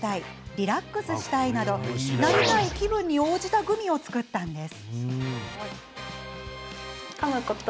リラックスしたいなどなりたい気分に応じたグミを作ったんです。